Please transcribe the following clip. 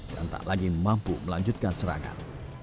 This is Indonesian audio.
dan tak lagi mampu melanjutkan serangan